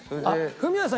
フミヤさん